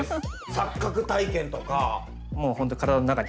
錯覚体験とか。